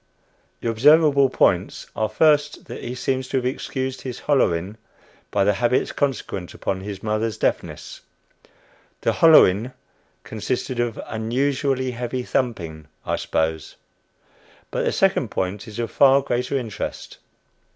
The observable points are first that he seems to have excused his "hollering" by the habits consequent upon his mother's deafness. The "hollering" consisted of unusually heavy thumping, I suppose. But the second point is of far greater interest.